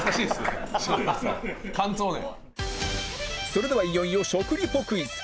それではいよいよ食リポクイズ！